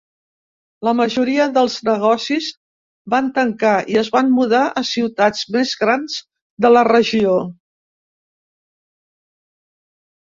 La majoria dels negocis van tancar i es van mudar a ciutats més grans de la regió.